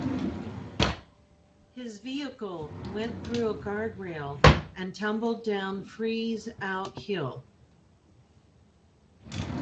His vehicle went through a guard rail and tumbled down Freezeout Hill.